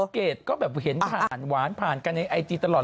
เกดก็แบบเห็นผ่านหวานผ่านกันในไอจีตลอด